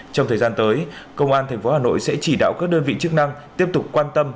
trong thời gian tới công an tp hà nội sẽ chỉ đạo các đơn vị chức năng tiếp tục quan tâm